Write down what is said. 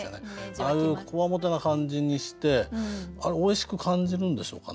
ああいうこわもてな感じにしてあれおいしく感じるんでしょうかね？